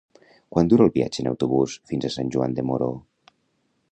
Quant dura el viatge en autobús fins a Sant Joan de Moró?